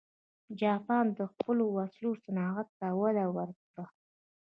جاپان د خپلو وسلو صنعت ته وده ورکړه.